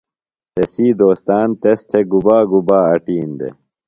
تسی دوستان تس تھےۡ گُبا گُبا اٹِین دےۡ؟